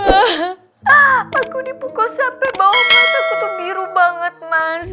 aku dipukul sampe bawah mas aku tuh biru banget mas